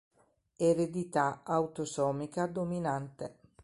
Eredità autosomica dominante.